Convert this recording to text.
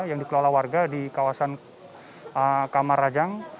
yang dikelola warga di kawasan kamar rajang